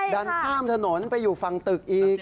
ดันข้ามถนนไปอยู่ฝั่งตึกอีก